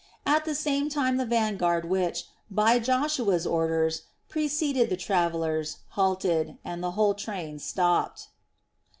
At the same time the vanguard which, by Joshua's orders, preceded the travellers, halted, and the whole train stopped.